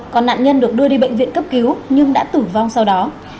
còn nạn nhân được đưa đi bệnh viện cấp cứu nhưng đã tử vong sau đó